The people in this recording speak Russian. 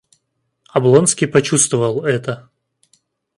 Облонский почувствовал это.